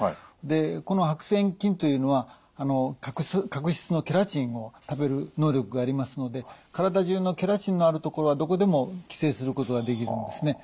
この白癬菌というのは角質のケラチンを食べる能力がありますので体中のケラチンのあるところはどこでも寄生することができるんですね。